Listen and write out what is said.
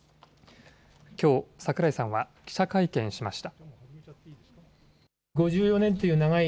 きょう、桜井さんは記者会見しました。